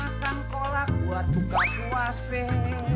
makan kolak buat buka kuasih